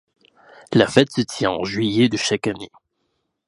La fête se tient en juillet de chaque année.